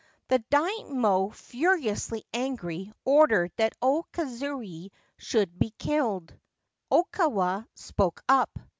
The Daimio, furiously angry, ordered that O Kazuye should be killed. Okawa spoke up.